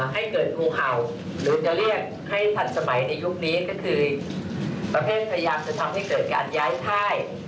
ให้เกิดงูเห่าหรือจะเรียกให้ทันสมัยในยุคนี้ก็คือประเภทพยายามจะทำให้เกิดการย้ายค่าย